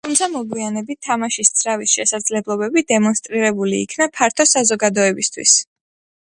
თუმცა მოგვიანებით, თამაშის ძრავის შესაძლებლობები დემონსტრირებული იქნა ფართო საზოგადოებისათვის.